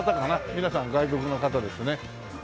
皆さん外国の方ですね。